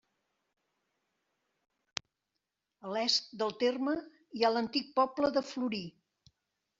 A l'est del terme hi ha l'antic poble de Florí.